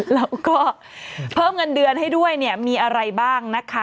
แล้วก็เพิ่มเงินเดือนให้ด้วยเนี่ยมีอะไรบ้างนะคะ